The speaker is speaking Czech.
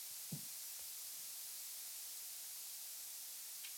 Své jméno mu nedal jeho otec Wolfgang Wagner náhodou.